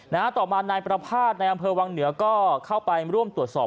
ต่อมานายประภาษณ์ในอำเภอวังเหนือก็เข้าไปร่วมตรวจสอบ